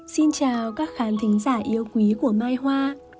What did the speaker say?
xin chào các khán thính giả yêu quý của mai hoa